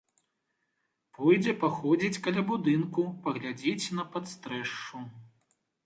Пойдзе паходзіць каля будынку, паглядзіць па падстрэшшу.